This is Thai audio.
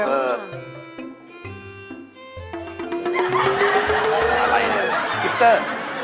แอปฮิปเตอร์